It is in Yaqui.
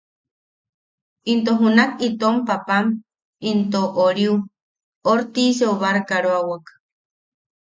Into junak itom paapam into... oriu... Ortiseu barkaroawak.